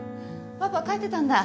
パパ帰ってたんだ。